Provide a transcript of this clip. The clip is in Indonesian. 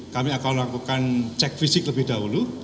kami akan lakukan cek fisik lebih dahulu